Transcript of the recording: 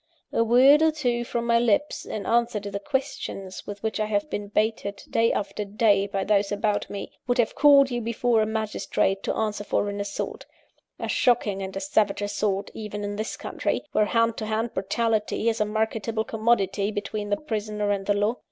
A word or two from my lips, in answer to the questions with which I have been baited, day after day, by those about me, would have called you before a magistrate to answer for an assault a shocking and a savage assault, even in this country, where hand to hand brutality is a marketable commodity between the Prisoner and the Law.